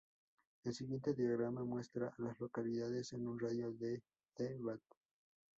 El siguiente diagrama muestra a las localidades en un radio de de Bath.